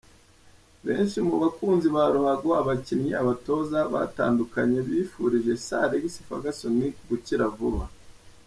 Benshi mu bakunzi ba ruhago, abakinnyi, abatoza batandukanye bifurije Sir Alex Ferguson gukira vuba.